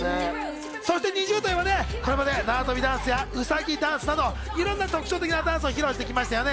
そしてＮｉｚｉＵといえば、これまで縄跳びダンスやうさぎダンスなど、いろんな特徴的なダンスを披露してきましたよね。